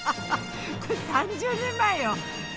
これ３０年前よ